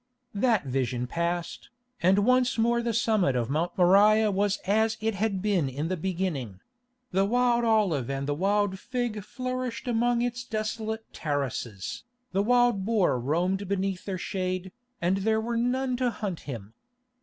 That vision passed, and once more the summit of Mount Moriah was as it had been in the beginning: the wild olive and the wild fig flourished among its desolate terraces, the wild boar roamed beneath their shade, and there were none to hunt him.